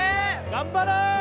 頑張れ！